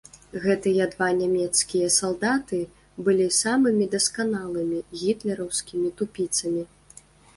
Гэтыя два нямецкія салдаты былі самымі дасканалымі гітлераўскімі тупіцамі.